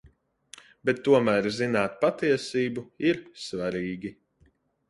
Bet tomēr zināt patiesību ir svarīgi.